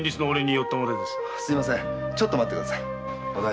すみませんちょっと待ってください。